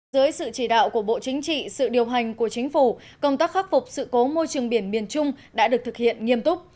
dưới sự chỉ đạo của bộ chính trị sự điều hành của chính phủ công tác khắc phục sự cố môi trường biển miền trung đã được thực hiện nghiêm túc